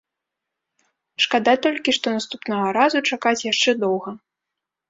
Шкада толькі, што наступнага разу чакаць яшчэ доўга!